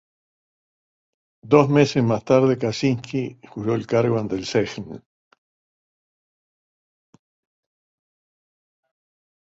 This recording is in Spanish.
Dos meses más tarde Kaczyński juró el cargo ante el Sejm.